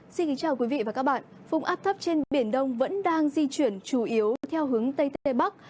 xin kính chào quý vị và các bạn vùng áp thấp trên biển đông vẫn đang di chuyển chủ yếu theo hướng tây tây bắc